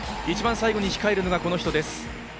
一番最後に控えるのがこの人です。